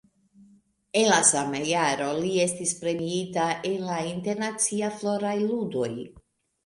En la sama jaro li estis premiita en la Internaciaj Floraj Ludoj.